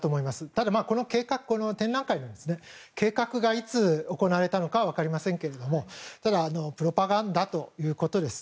ただ、この展覧会の計画がいつ行われたのかは分かりませんがただプロパガンダということです。